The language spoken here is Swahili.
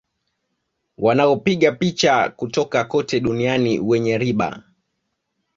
Wanaopiga picha kutoka kote duniani wenye riba